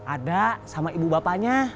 ada sama ibu bapaknya